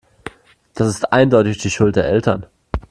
Das ist eindeutig die Schuld der Eltern.